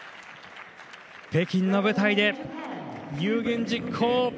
北京の舞台で有言実行。